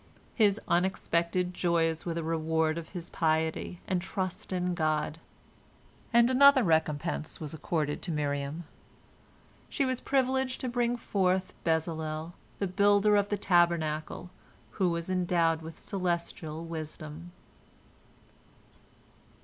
His unexpected joys were the reward of his piety and trust in God. And another recompense was accorded to Miriam: she was privileged to bring forth Bezalel, the builder of the Tabernacle, who was endowed with celestial wisdom.